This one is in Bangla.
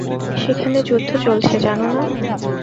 সেখানে যুদ্ধ চলছে, জানো না।